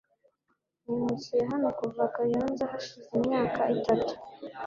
Nimukiye hano kuva Kayonza hashize imyaka itatu .